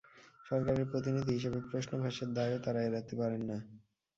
সরকারের প্রতিনিধি হিসেবে প্রশ্নফাঁসের দায়ও তাঁরা এড়াতে পারেন না।